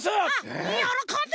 うんよろこんで！